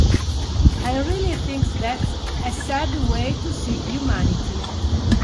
I really think that’s a sad way to see humanity.